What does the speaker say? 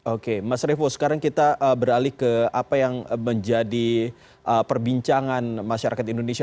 oke mas revo sekarang kita beralih ke apa yang menjadi perbincangan masyarakat indonesia